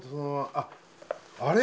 あっあれ！